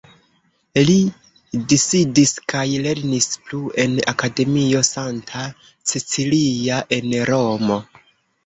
Li disidis kaj lernis plu en Akademio Santa Cecilia en Romo.